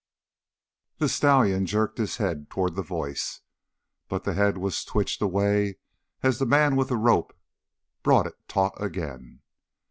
The stallion jerked his head toward the voice, but the head was twitched away as the man with the rope brought it taut again.